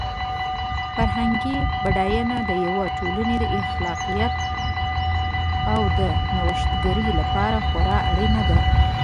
فرهنګي بډاینه د یوې ټولنې د خلاقیت او د نوښتګرۍ لپاره خورا اړینه ده.